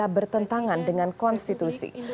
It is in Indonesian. bertentangan dengan konstitusi